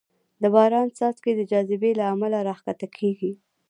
د باران څاڅکې د جاذبې له امله راښکته کېږي.